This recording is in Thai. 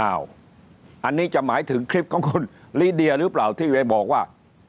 อันนี้จะหมายถึงคลิปของคุณลิเดียหรือเปล่าที่ไปบอกว่า